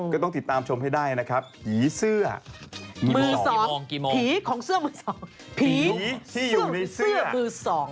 ก็ต้องติดตามชมให้ได้นะครับผีเสื้อมือสองผีของเสื้อมือสองผีผีที่อยู่ในเสื้อมือสอง